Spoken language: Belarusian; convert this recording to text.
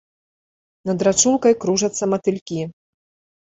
Над рачулкай кружацца матылькі.